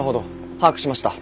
把握しました。